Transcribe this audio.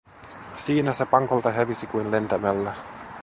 Siinä se pankolta hävisi kuin lentämällä.